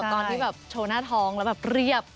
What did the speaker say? ตอนที่แบบโชว์หน้าท้องแล้วแบบเรียบ